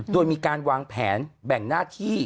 โดยมีการวางแผนแบ่งหน้าที่